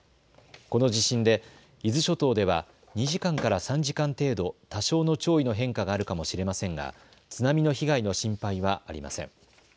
この地震で伊豆諸島では２時間から３時間程度、多少の潮位の変化があるかもしれませんが津波の被害の心配はありません。